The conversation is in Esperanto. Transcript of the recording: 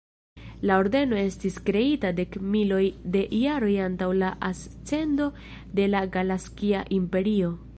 La ordeno estis kreita dekmiloj da jaroj antaŭ la ascendo de la Galaksia Imperio.